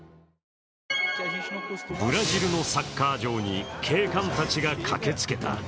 ブラジルのサッカー場に警官たちが駆けつけた。